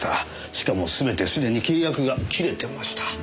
しかも全てすでに契約が切れてました。